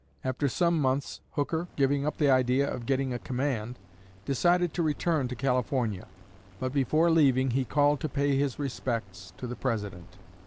After some months, Hooker, giving up the idea of getting a command, decided to return to California; but before leaving he called to pay his respects to the President.